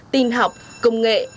tin học công nghệ